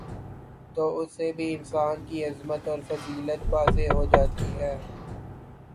تو اس سے بھی انسان کی عظمت اور فضیلت واضح ہو جاتی ہے